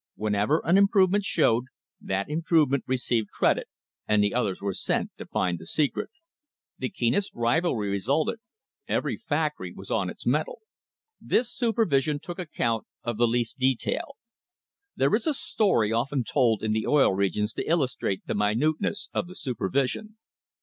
Whenever an improvement showed, that improvement received credit, and the others were sent to find the secret. The keenest rivalry resulted every factory was on its mettle. This supervision took account of the least detail. There is a story often told in the Oil Regions to illustrate the minute ness of the supervision.